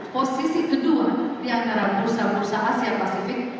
posisi kedua di antara bursa bursa asia pasifik